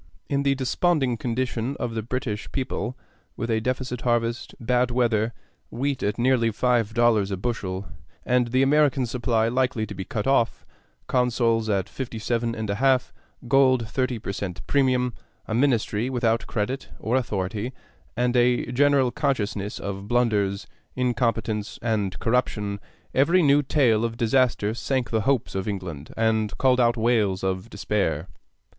In the desponding condition of the British people, with a deficient harvest, bad weather, wheat at nearly five dollars a bushel, and the American supply likely to be cut off; consols at 57 1/2, gold at thirty per cent premium; a Ministry without credit or authority, and a general consciousness of blunders, incompetence, and corruption, every new tale of disaster sank the hopes of England and called out wails of despair.